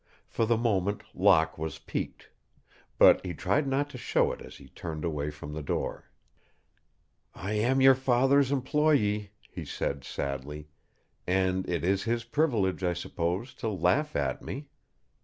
For the moment Locke was piqued. But he tried not to show it as he turned away from the door. "I am your father's employe," he said, sadly, "and it is his privilege, I suppose, to laugh at me."